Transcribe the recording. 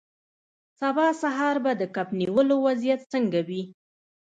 سبا سهار به د کب نیولو وضعیت څنګه وي